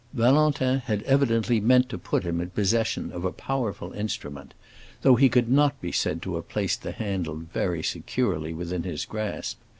Valentin had evidently meant to put him in possession of a powerful instrument, though he could not be said to have placed the handle very securely within his grasp.